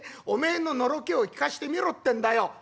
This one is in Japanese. おめえののろけを聞かしてみろってんだよ」。